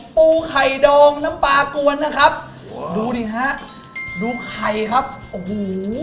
ปูไข่ดองน้ำปลากวนนะครับดูดิฮะดูไข่ครับโอ้โห